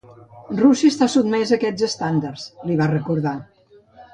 “Rússia està sotmesa a aquests estàndards”, li va recordar.